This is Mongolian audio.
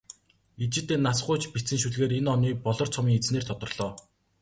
Ижийдээ нас гуйж бичсэн шүлгээр энэ оны "Болор цом"-ын эзнээр тодорлоо.